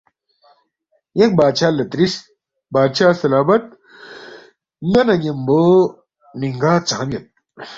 ینگ بادشاہ لہ تِرس، بادشاہ سلامت ن٘ا نہ ن٘یمبو مِنگا ژام یود؟